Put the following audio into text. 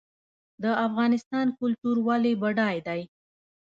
د افغانستان کلتور ولې بډای دی؟